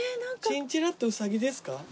チンチラってウサギですか？